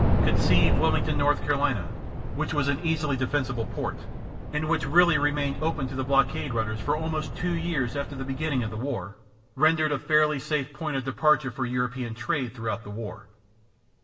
Conceive Wilmington, N. C., which was an easily defensible port, and which really remained open to the blockade runners for almost two years after the beginning of the war, rendered a fairly safe point of departure for European trade throughout the war.